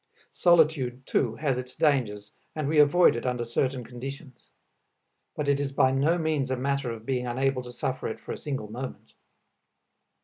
Solitude too has its dangers and we avoid it under certain conditions; but it is by no means a matter of being unable to suffer it for a single moment.